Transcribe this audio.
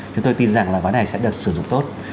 thì tôi tin rằng là vấn đề này sẽ được sử dụng tốt